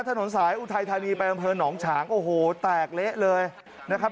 ถนนสายอุทัยธานีไปอำเภอหนองฉางโอ้โหแตกเละเลยนะครับ